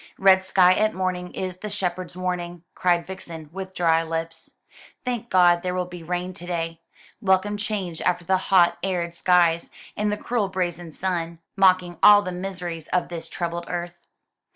"'Red sky at morning is the shepherd's warning!'" cried Vixen, with dry lips. "Thank God there will be rain to day! Welcome change after the hot arid skies, and the cruel brazen sun, mocking all the miseries of this troubled earth."